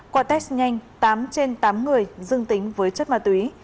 qua test nhanh tám trên tám người dương tính với chất ma túy